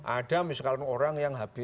ada misalkan orang yang